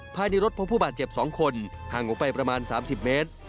ภายในรถพบผู้บาดเจ็บ๒คนห่างออกไปประมาณ๓๐เมตร